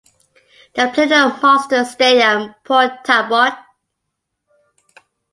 They play at the Marston Stadium, Port Talbot.